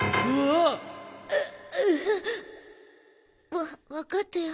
わわかったよ。